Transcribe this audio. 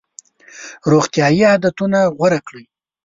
روغتیایي عادتونه غوره کړئ.